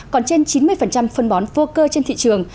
còn trên chín mươi phân bón vô cơ trên thị trường